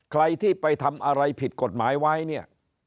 ใครที่ไปทำอะไรผิดกฎหมายไว้เนี่ย